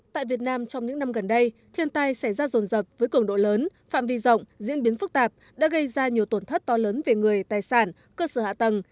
tại việt nam trong những năm gần đây thiên tai xảy ra rồn rập với cường độ lớn phạm vi rộng diễn biến phức tạp đã gây ra nhiều tổn thất to lớn về người tài sản cơ sở hạ tầng